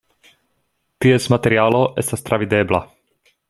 Ties materialo estas travidebla.